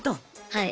はい。